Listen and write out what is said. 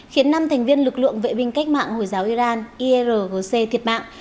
khiến năm thành viên lực lượng vệ binh cách mạng hồi giáo iran irgc thiệt mạng